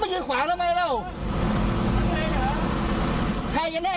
ใครเยี่ยมแน่กลางเนี่ยคลื่นข่างรถด้วยขายตักเล่น